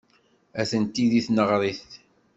Atenti deg tneɣrit.